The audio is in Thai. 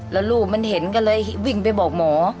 แล้วลูกมันเห็นก็เลยวิ่งไปบอกหมอ